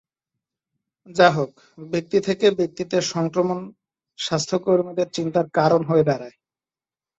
যাহোক, ব্যক্তি থেকে ব্যক্তিতে সংক্রমণ স্বাস্থ্য কর্মীদের চিন্তার কারণ হয়ে দাড়ায়।